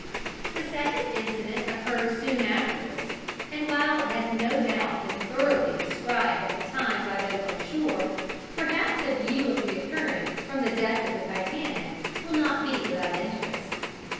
The second incident occurred soon afterwards, and while it has no doubt been thoroughly described at the time by those on shore, perhaps a view of the occurrence from the deck of the Titanic will not be without interest.